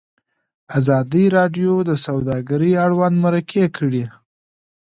ازادي راډیو د سوداګري اړوند مرکې کړي.